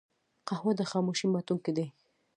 قهوه د خاموشۍ ماتونکی دی